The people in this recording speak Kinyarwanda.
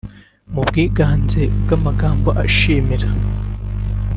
Mu bwiganze bw’amagambo ashimira